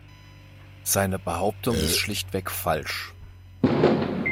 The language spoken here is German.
Seine Behauptung ist schlichtweg falsch.